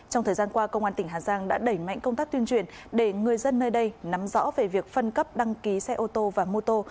trong thời gian qua công an tỉnh hà giang đã đẩy mạnh công tác tuyên truyền để người dân nơi đây nắm rõ về việc phân cấp đăng ký xe ô tô và mô tô